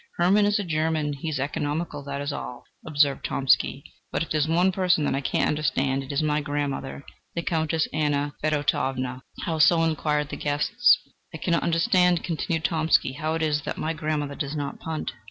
"Hermann is a German: he is economical that is all!" observed Tomsky. "But if there is one person that I cannot understand, it is my grandmother, the Countess Anna Fedotovna." "How so?" inquired the guests. "I cannot understand," continued Tomsky, "how it is that my grandmother does not punt."